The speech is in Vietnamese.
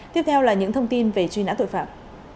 tiếp theo là những thông tin về truy nã tội phạm